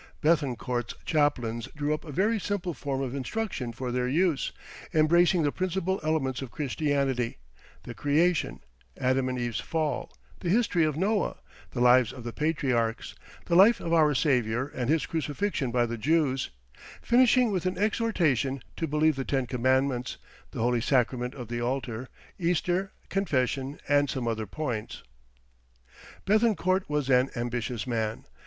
Béthencourt's chaplains drew up a very simple form of instruction for their use, embracing the principal elements of Christianity, the creation, Adam and Eve's fall, the history of Noah, the lives of the patriarchs, the life of our Saviour and His crucifixion by the Jews, finishing with an exhortation to believe the ten commandments, the Holy Sacrament of the Altar, Easter, confession, and some other points. Béthencourt was an ambitious man.